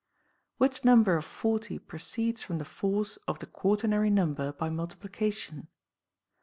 Which number of 40 proceeds from the force of the quaternary number by multiplication.